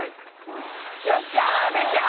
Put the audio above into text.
よしじゃあアメちゃん。